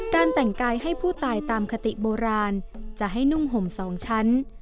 แต่งกายให้ผู้ตายตามคติโบราณจะให้นุ่งห่ม๒ชั้น